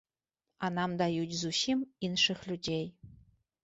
А нам даюць зусім іншых людзей.